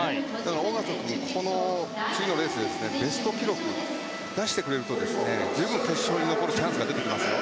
小方君、次のレースでベスト記録を出してくれれば十分決勝に残るチャンスが出てきます。